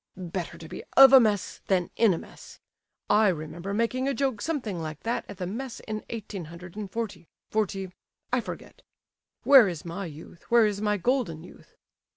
"Better to be of a mess than in a mess! I remember making a joke something like that at the mess in eighteen hundred and forty—forty—I forget. 'Where is my youth, where is my golden youth?